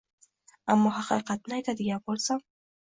Ammo haqiqatni aytadigan boʻlsam.